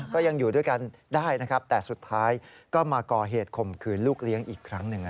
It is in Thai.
ก็ยังอยู่ด้วยกันได้นะครับแต่สุดท้ายก็มาก่อเหตุข่มขืนลูกเลี้ยงอีกครั้งหนึ่ง